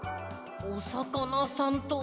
おさかなさんと。